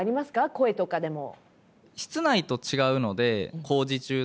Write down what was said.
声とかでも。